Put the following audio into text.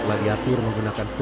telah diatur menggunakan full